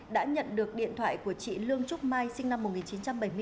đã nhận được điện thoại của chị lương trúc mai sinh năm một nghìn chín trăm bảy mươi bốn